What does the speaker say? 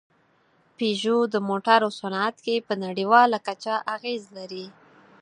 پيژو د موټرو صنعت کې په نړۍواله کچه اغېز لري.